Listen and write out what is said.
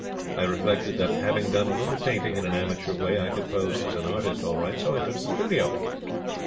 I reflected that, having done a little painting in an amateur way, I could pose as an artist all right; so I took the studio.